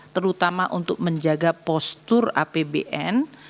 terutama untuk menjaga postur apbn